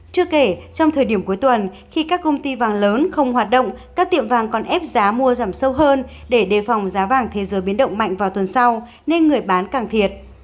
chưa kể trong thời điểm cuối tuần khi các công ty vàng lớn không hoạt động các tiệm vàng còn ép giá mua giảm sâu hơn để đề phòng giá vàng thế giới biến động mạnh vào tuần sau nên người bán càng thiệt